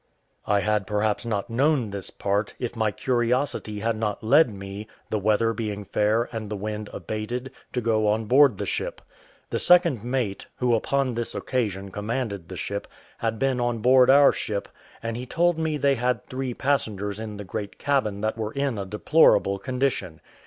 I had perhaps not known this part, if my curiosity had not led me, the weather being fair and the wind abated, to go on board the ship. The second mate, who upon this occasion commanded the ship, had been on board our ship, and he told me they had three passengers in the great cabin that were in a deplorable condition.